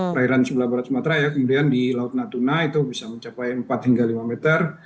perairan sebelah barat sumatera ya kemudian di laut natuna itu bisa mencapai empat hingga lima meter